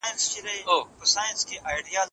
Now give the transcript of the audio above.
د دغې کیسې په لوستلو سره زما زړه ډېر خوشحاله سو.